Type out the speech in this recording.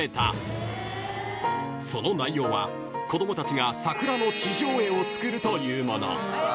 ［その内容は子供たちが桜の地上絵を作るというもの］